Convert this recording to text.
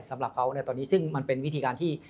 สำหรับเขาในตอนนี้ซึ่งมันเป็นวิธีการที่